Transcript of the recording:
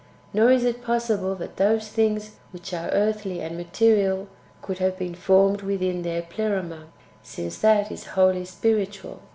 Nor is it possible that those things which are earthy and material could have been formed within their Pleroma, since that is wholly spiritual.